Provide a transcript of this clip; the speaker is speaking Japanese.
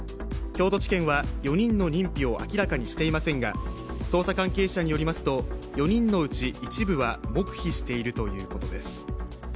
京都地検は４人の認否を明らかにしていませんが捜査関係者によりますと４人のうち一部は黙秘しているということです。